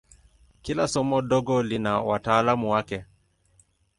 Kila somo dogo lina wataalamu wake.